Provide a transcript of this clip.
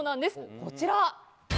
こちら。